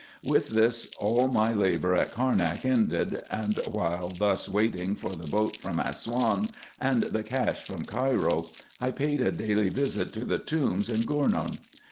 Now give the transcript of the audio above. With this all my labour at Carnak ended ; and while thus waiting for the boat from Assouan, and the cash from Cairo, I paid a daily visit to the tombs in Gournou.